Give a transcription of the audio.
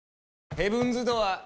ヘブンズ・ドアー。